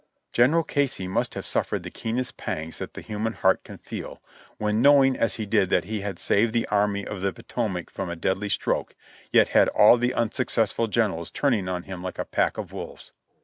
General Casey must have suffered the keenest pangs that the human heart can feel, when knowing as he did that he had saved the Army of the Potomac from a deadly stroke, yet had all the unsuccessful generals turning on him like a pack of wolves.